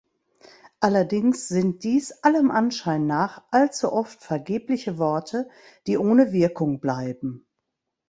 Allerdings sind dies allem Anschein nach allzu oft vergebliche Worte, die ohne Wirkung bleiben.